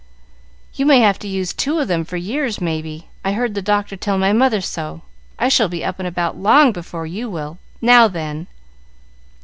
"You may have to use two of them for years, may be. I heard the doctor tell my mother so. I shall be up and about long before you will. Now then!"